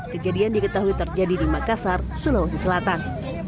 kejadian diketahui terjadi di makassar sulawesi selatan